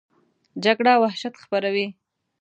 جګړه وحشت خپروي